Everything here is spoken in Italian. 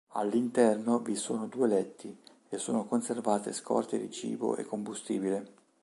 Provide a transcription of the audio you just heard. All'interno vi sono due letti e sono conservate scorte di cibo e combustibile.